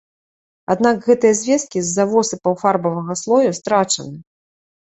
Аднак гэтыя звесткі з-за восыпаў фарбавага слою страчаны.